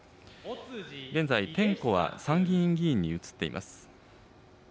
現在、点呼は参議院議員に移っています。